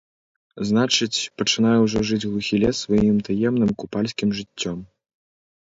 Значыць, пачынае ўжо жыць глухі лес сваім таемным купальскім жыццём.